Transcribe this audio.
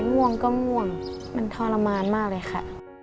ง่วงก็ง่วงมันทรมานมากเลยค่ะ